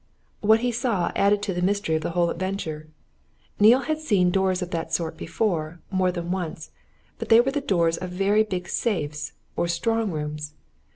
What he saw added to the mystery of the whole adventure. Neale had seen doors of that sort before, more than once but they were the doors of very big safes or of strong rooms.